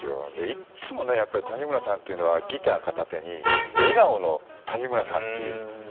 いつも谷村さんっていうのはギター片手に笑顔の谷村さんという。